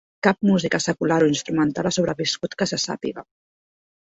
Cap música secular o instrumental ha sobreviscut que se sàpiga.